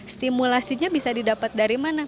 stimulasinya bisa didapat dari mana